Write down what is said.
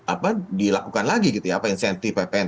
apa dilakukan lagi gitu ya apa insentif ppn